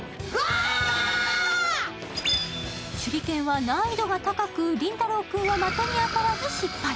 手裏剣は難易度が高く、倫太郎君は的に当たらず失敗。